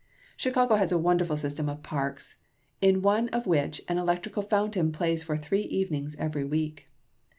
Chicago has a wonderful system of parks, in one of which an electrical fountain plays for three evenings every week.